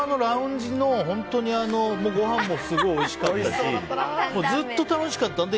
空港のラウンジのごはんもすごいおいしかったしずっと楽しかった。